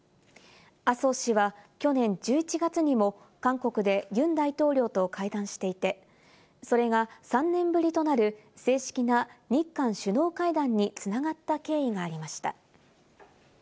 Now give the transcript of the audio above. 麻生氏は去年１１月にも韓国でユン大統領と会談していて、それが３年ぶりとなる正式な日韓首脳会談に繋がった経緯がありました。